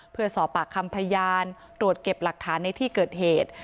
เพื่อสอบปากคำพยานตรวจเก็บหลักฐานในที่เกิดเหตุ